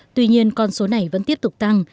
tuy nhiên con số này vẫn tiếp tục tăng